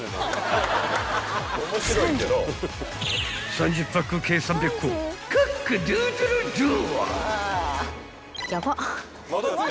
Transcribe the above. ［３０パック計３００個クックドゥードゥルドゥ！］